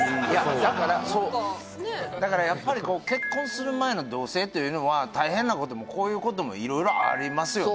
だからやっぱりこう結婚する前の同棲というのは大変なこともこういうことも色々ありますよね